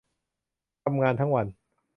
ทำงานทั้งวัน